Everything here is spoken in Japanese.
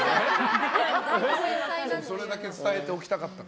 それだけ伝えておきたかった。